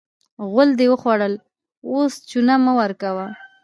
غول دې وخوړل؛ اوس چونه مه ورکوه.